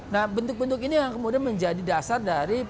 nah bentuk bentuk ini yang kemudian menjadi dasar dari